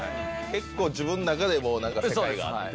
結構自分の中で世界があって。